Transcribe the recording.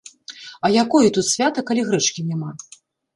А якое тут свята, калі грэчкі няма?